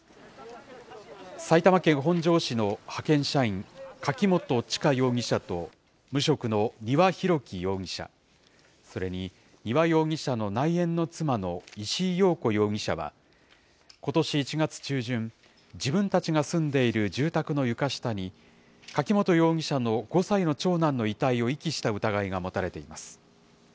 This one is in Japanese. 埼玉県本庄市の派遣社員、柿本知香容疑者と、無職の丹羽洋樹容疑者、それに丹羽容疑者の内縁の妻の石井陽子容疑者は、ことし１月中旬、自分たちが住んでいる住宅の床下に、柿本容疑者の５歳の長男の遺体を遺棄した疑いが持たれています。